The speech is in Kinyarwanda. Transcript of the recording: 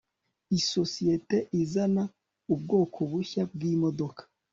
isosiyete izana ubwoko bushya bwimodoka